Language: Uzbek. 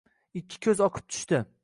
ikki koʼz oqib tushdi